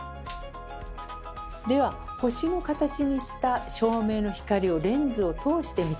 では星の形にした照明の光をレンズを通して見てみましょう。